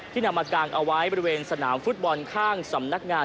นำมากางเอาไว้บริเวณสนามฟุตบอลข้างสำนักงาน